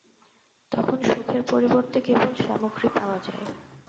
তখন সুখের পরিবর্তে কেবল সামগ্রী পাওয়া যায়।